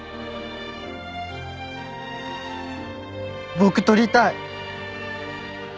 僕撮りたい！